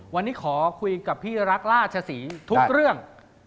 วันนี้ขอคุยกับพี่รักราชศรีทุกเรื่อง